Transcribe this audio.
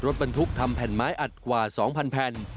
รถบรรทุกทำแผ่นไม้อัดกว่า๒๐๐แผ่น